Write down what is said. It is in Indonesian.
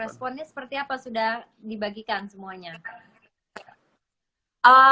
responnya seperti apa sudah dibagikan semuanya